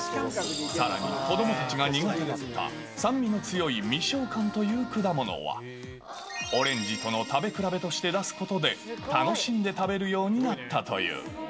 さらに、子どもたちが苦手だった酸味の強いみしょうかんという果物は、オレンジとの食べ比べとして出すことで楽しんで食べるようになったという。